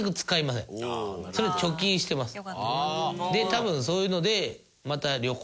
多分そういうので。